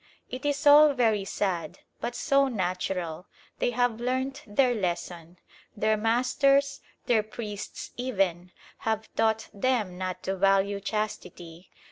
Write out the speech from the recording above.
It is all very sad, but so natural. They have learnt their lesson. Their masters, their priests even, have taught them not to value chastity.